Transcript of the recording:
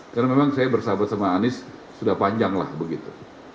karena memang saya bersahabat sama anies sudah panjang lah begitu